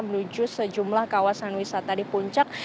menuju sejumlah kawasan wisata di puncak